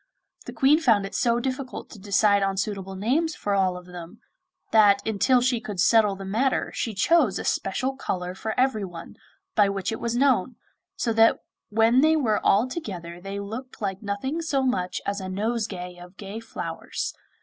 The Queen found it so difficult to decide on suitable names for all of them, that until she could settle the matter she chose a special colour for everyone, by which it was known, so that when they were all together they looked like nothing so much as a nosegay of gay flowers.